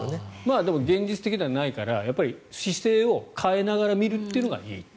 でも、現実的ではないから姿勢を変えながら見るというのがいい。